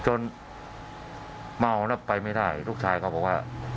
จนเมาไปไม่ได้ลูกชายเขาบอกว่า